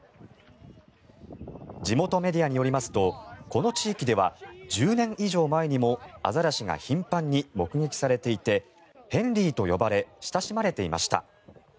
地元メディアによりますとこの地域では１０年以上前にもアザラシが頻繁に目撃されていてヘンリーと呼ばれ親しまれていました。